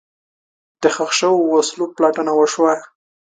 د ښخ شوو وسلو پلټنه وشوه.